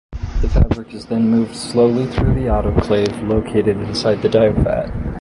The fabric is then moved slowly through the autoclave located inside the dye vat.